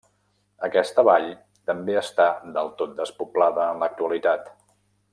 Aquesta vall també està del tot despoblada en l'actualitat.